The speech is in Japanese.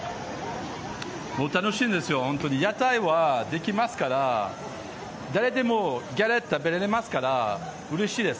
楽しいんですよ、本当に、屋台、できますから、誰でもガレット食べられますから、うれしいです。